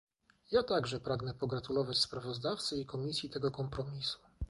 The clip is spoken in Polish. Ja także pragnę pogratulować sprawozdawcy i Komisji tego kompromisu